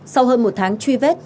sau hơn một tháng truy vết